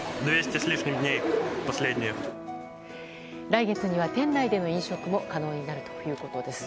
来月には店内での飲食も可能になるということです。